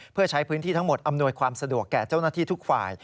เพื่อใช้พื้นที่ทั้งหมดอำนวยความสะดวกแก่เจ้าหน้าที่ทุกฝ่าย